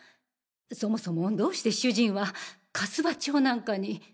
そもそもどうして主人は粕場町なんかに。